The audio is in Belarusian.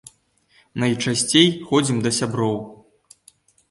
Найчасцей ходзім да сяброў.